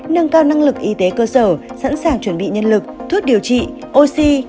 nâng cao năng lực y tế cơ sở sẵn sàng chuẩn bị nhân lực thuốc điều trị oxy